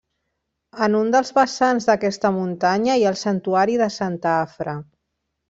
En un dels vessants d'aquesta muntanya hi ha el santuari de Santa Afra.